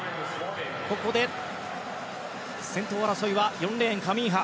ここで先頭争いは４レーンカミンハ。